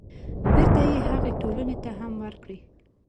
بېرته يې هغې ټولنې ته هم ورکړي.